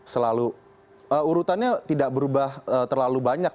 selalu urutannya tidak berubah terlalu banyak